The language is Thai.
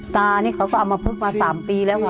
ตานี้เขาก็ปุ๊บมาสามปีแล้วค่ะ